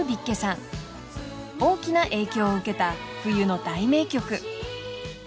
［大きな影響を受けた冬の大名曲］